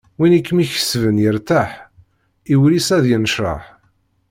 Win i kem-ikesben yertaḥ, i wul-is ad yennecraḥ.